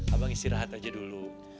abang istirahat aja dulu